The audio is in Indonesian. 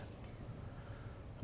sebenarnya saya tidak tahu